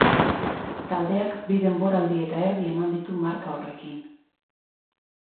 Taldeak bi denboraldi eta erdi eman ditu marka horrekin.